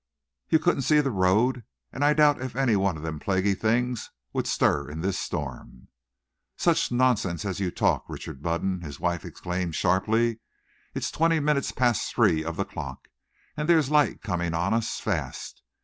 You couldn't see the road, and I doubt if one of them plaguey things would stir in this storm." "Such nonsense as you talk, Richard Budden!" his wife exclaimed sharply. "It's twenty minutes past three of the clock, and there's light coming on us fast.